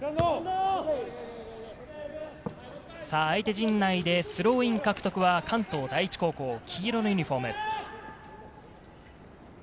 相手陣内でスローイン獲得は関東第一高校、黄色のユニホーム。